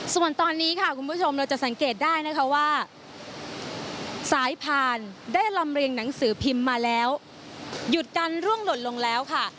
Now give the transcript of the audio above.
สายผ่านได้ลำเรียงหนังสือพิมพ์มาแล้วหยุดกันร่วงหล่นลงแล้วค่ะ